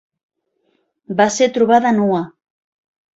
Va ser trobada nua.